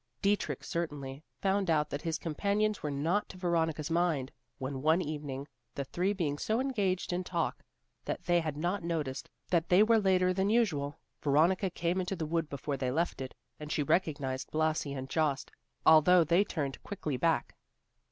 Dietrich, certainly, found out that his companions were not to Veronica's mind, when one evening, the three being so engaged in talk that they had not noticed that they were later than usual, Veronica came into the wood before they left it, and she recognized Blasi and Jost, although they turned quickly back.